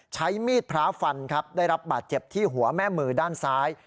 ใช้มีดพระฟันครับได้รับบาดเจ็บที่หัวแม่มือด้านซ้าย